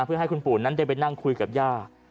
เพื่อให้คุณปู่นั้นได้ไปนั่งคุยกับย่า